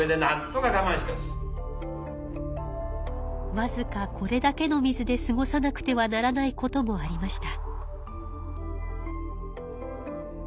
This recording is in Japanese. わずかこれだけの水で過ごさなくてはならないこともありました。